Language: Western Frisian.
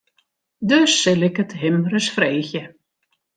Dus sil ik it him ris freegje.